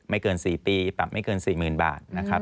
ไม่เกิน๔ปีปรับไม่เกิน๔หมื่นบาทนะครับ